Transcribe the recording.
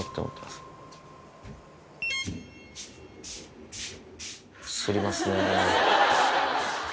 すりますね。